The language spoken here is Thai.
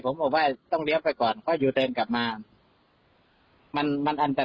ผมบอกต้องเลี้ยวไปก่อน